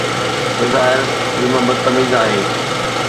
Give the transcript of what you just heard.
بظاهر فلم بدتميز آهي